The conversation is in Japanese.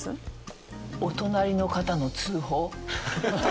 お隣の方の通報？